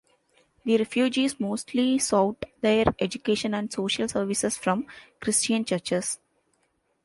The refugees mostly sought their education and social services from Christian churches.